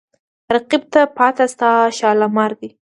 رقیب ته پاته ستا شالمار دی